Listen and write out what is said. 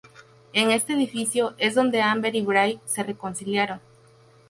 En este edificio, es donde Amber y Bray se reconciliaron.